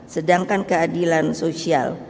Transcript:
sedangkan keadilan sosial